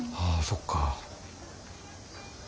ああそっか。